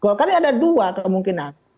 golkar ini ada dua kemungkinan